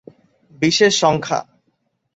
বিশেষ সংখ্যা